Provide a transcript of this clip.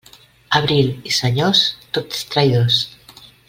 Abril i senyors, tots traïdors.